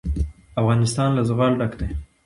افغانستان له زغال ډک دی.